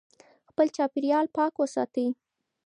خپل چاپېریال پاک وساتئ.